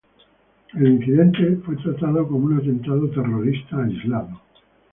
El incidente fue tratado como un "atentado terrorista aislado".